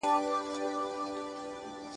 اسوېلي به زیاتي نه لرم په خوله کي ..